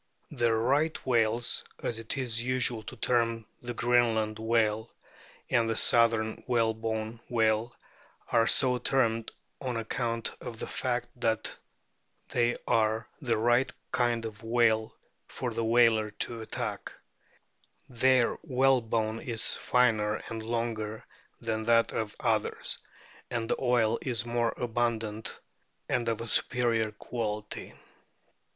The " Right whales," as it is usual to term the Greenland whale and the southern whalebone whale, are so termed on account of the fact that they are the " right " kind of whale for the whaler to attack ; their whalebone is finer and longer than that of others, and the oil is more abundant and of a superior quality.